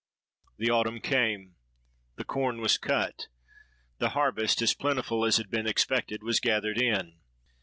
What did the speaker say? The autumn came—the corn was cut—the harvest, as plentiful as had been expected, was gathered in.